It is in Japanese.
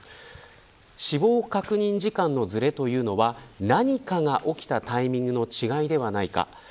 死亡確認時間のずれというのは何かが起きたタイミングの違いではないか。